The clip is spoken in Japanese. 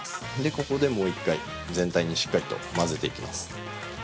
ここでもう一回、全体にしっかりと混ぜていきます。